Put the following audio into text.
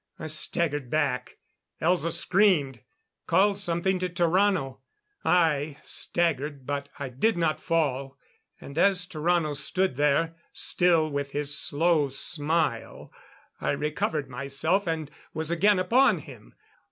I staggered back. Elza screamed called something to Tarrano. I staggered, but I did not fall; and as Tarrano stood there, still with his slow smile, I recovered myself and was again upon him.